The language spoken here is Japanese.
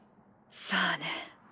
さあね。